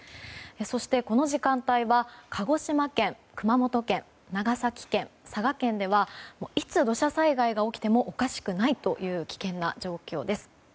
そして、この時間帯は鹿児島県、熊本県長崎県、佐賀県ではいつ土砂災害が起きてもおかしくないという危険な状況です。